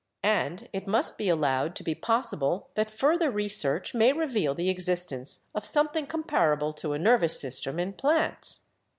And it must be allowed to be possible that further research may reveal the existence of something comparable to a nervous system in plants.